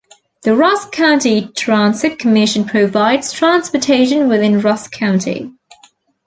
The Rusk County Transit Commission provides transportation within Rusk County.